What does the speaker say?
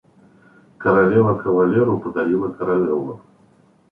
Королева кавалеру подарила каравеллу.